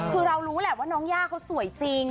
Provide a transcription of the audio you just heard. คือเรารู้แหละว่าน้องย่าเขาสวยจริง